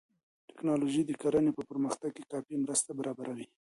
ټکنالوژي د کرنې په پرمختګ کې کافي مرسته برابروي.